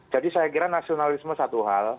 jadi saya kira nasionalisme satu hal